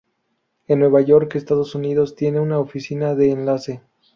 En Nueva York, Estados Unidos tiene una oficina de enlace.